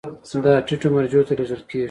دا ټیټو مرجعو ته لیږل کیږي.